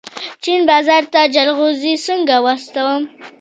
د چین بازار ته جلغوزي څنګه واستوم؟